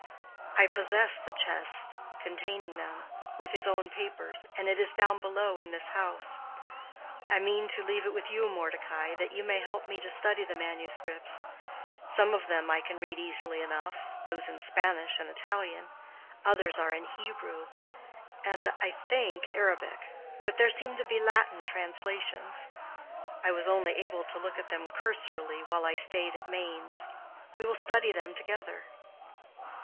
I possess the chest containing them, with his own papers, and it is down below in this house. I mean to leave it with you, Mordecai, that you may help me to study the manuscripts. Some of them I can read easily enough—those in Spanish and Italian. Others are in Hebrew, and, I think, Arabic; but there seem to be Latin translations. I was only able to look at them cursorily while I stayed at Mainz. We will study them together."